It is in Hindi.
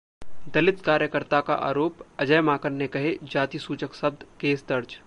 दलित कार्यकर्ता का आरोप, अजय माकन ने कहे 'जातिसूचक' शब्द, केस दर्ज